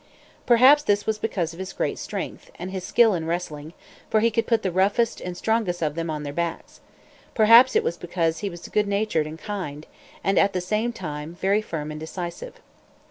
Perhaps this was because of his great strength, and his skill in wrestling; for he could put the roughest and strongest of them on their backs. Perhaps it was because he was good natured and kind, and, at the same time, very firm and decisive.